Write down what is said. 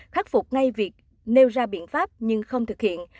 khắc phục ngay việc nêu ra biện pháp nhưng không thực hiện